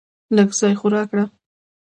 لږ ځای خو راکړه .